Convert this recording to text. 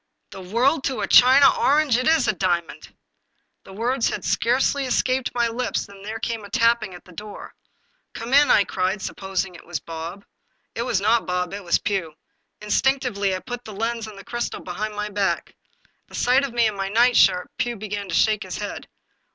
" The world to a China orange, it is a diamond !" The words had scarcely escaped my lips than there came a tapping at the door. " Come in !" I cried, supposing it was Bob. It was not Bob, it was Pugh. Instinctively I put the lens and the crystal behind my back. At sight of me in my nightshirt Pugh began to shake his head.